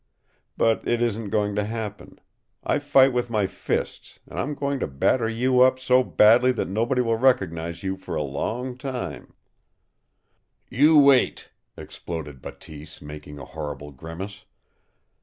But it isn't going to happen. I fight with my fists, and I'm going to batter you up so badly that nobody will recognize you for a long time." "You wait!" exploded Bateese, making a horrible grimace.